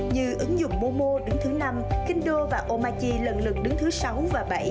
như ứng dụng momo đứng thứ năm kindle và omachi lận lực đứng thứ sáu và bảy